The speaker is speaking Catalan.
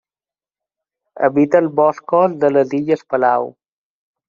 Habita els boscos de les illes Palau.